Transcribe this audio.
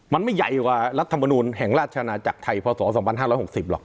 มันไม่ใหญ่กว่ารัฐมนูลแห่งราชนาจักรไทยพศ๒๕๖๐หรอก